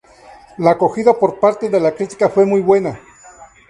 La acogida por parte de la crítica fue muy buena.